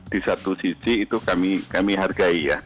di satu sisi itu kami hargai ya